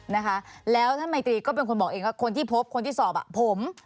นะคะแล้วท่านมัยตรีก็เป็นคนบอกเองว่าคนที่พบคนที่สอบอ่ะผม